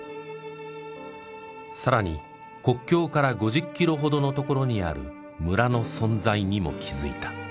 さらに国境から５０キロほどの所にある村の存在にも気づいた。